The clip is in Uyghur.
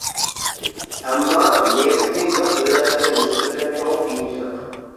ئەمما، نېفىتى يوق دۆلەتلەرگە نىسبەتەن چوڭ قىيىنچىلىق.